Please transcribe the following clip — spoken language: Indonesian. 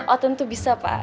oh tentu bisa pak